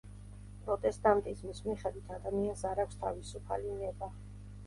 პროტესტანტიზმის მიხედვით ადამიანს არ აქვს თავისუფალი ნება.